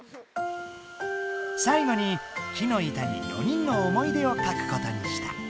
最後に木のいたに４人の思い出をかくことにした。